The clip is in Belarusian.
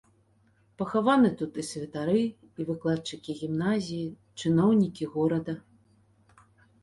Пахаваны тут і святары, і выкладчыкі гімназіі, чыноўнікі горада.